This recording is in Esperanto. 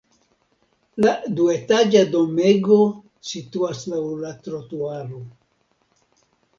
La duetaĝa domego situas laŭ la trotuaro.